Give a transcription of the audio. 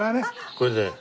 これで。